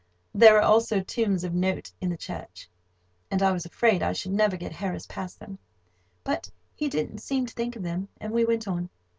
There are also tombs of note in the church, and I was afraid I should never get Harris past them; but he didn't seem to think of them, and we went on.